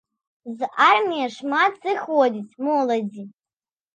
З арміі шмат сыходзіць моладзі.